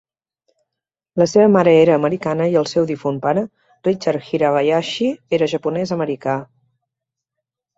La seva mare era americana i el seu difunt pare, Richard Hirabayashi, era japonès-americà.